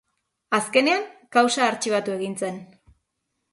Azkenean, kausa artxibatu egin zen.